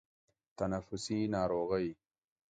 تنفسي ناروغۍ